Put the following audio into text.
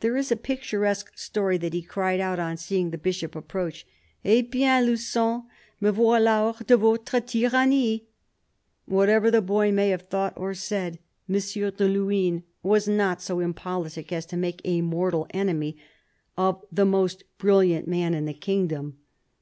There is a picturesque story that he cried out, on seeing the Bishop approach, " Eh bien, Lufon ! me voilk hors de votre tyrannic !" Whatever the boy may have thought or said, M. de Luynes was not so impolitic as to make a mortal enemy of the most brilliant man in the kingdom.